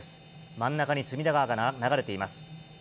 真ん中に隅田川が流れています。